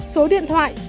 số điện thoại